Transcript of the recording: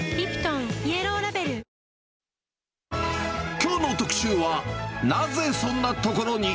きょうの特集は、なぜそんな所に？